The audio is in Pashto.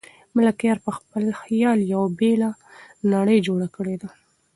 ملکیار په خپل خیال یوه بېله نړۍ جوړه کړې ده.